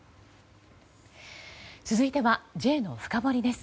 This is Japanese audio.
続いてはＪのフカボリです。